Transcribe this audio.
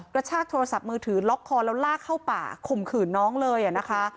กระชากโทรศัพท์มือถือล็อกคอแล้วลากเข้าป่าข่มขืนน้องเลยนะคะ